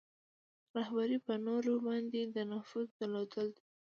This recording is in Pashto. رهبري په نورو باندې د نفوذ درلودل دي.